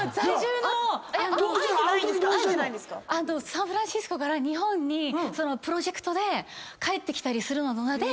サンフランシスコから日本にプロジェクトで帰ってきたりするので。